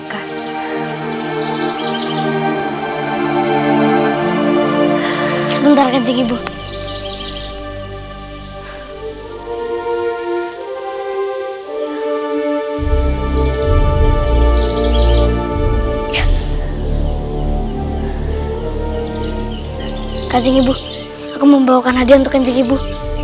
kanjing ibu aku membawakan hadiah untuk kanjing ibu